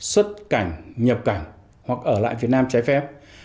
xuất cảnh nhập cảnh hoặc ở lại việt nam trái phép